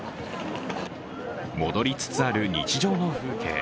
戻りつつある日常の風景。